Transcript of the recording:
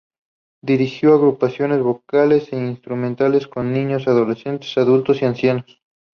Dirigió agrupaciones vocales e instrumentales con niños, adolescentes, adultos y ancianos.